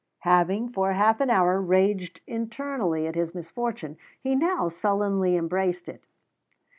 Having for half an hour raged internally at his misfortune, he now sullenly embraced it.